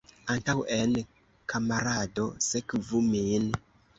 Antaŭen, kamarado, sekvu min!